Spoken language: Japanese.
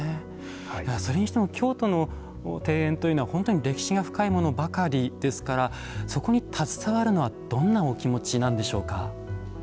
それにしても京都の庭園というのは歴史が深いものばかりですからそこに携わるのはどんなお気持ちなんでしょうか。